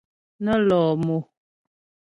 Nə́ lɔ̂ mo.